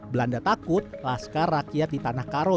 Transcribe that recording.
belanda takut laskar rakyat di tanah karo